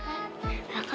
ternyata moi aku tak gituhey